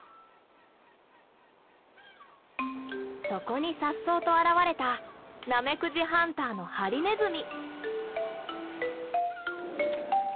そこに颯爽と現れたナメクジハンターのハリネズミ。